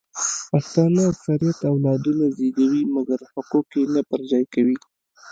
پښتانه اکثریت اولادونه زیږوي مګر حقوق یې نه پر ځای کوي